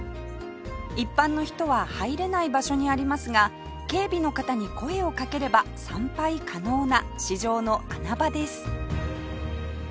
一般の人は入れない場所にありますが警備の方に声をかければ参拝可能な市場の穴場です